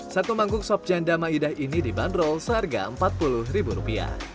satu mangkuk sop janda maidah ini dibanderol seharga rp empat puluh